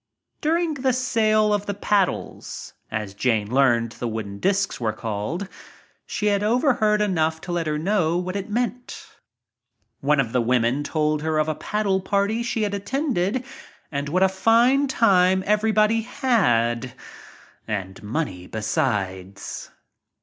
During the sale of the "paddles," as Jane the wooden disks were called, she had overheard /_— 34 enough to let her know what it meant. One of the women even told her of a "paddle" party she had attended and what a "fine" time everybody had and money besides.